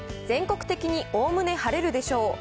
全国的におおむね晴れるでしょう。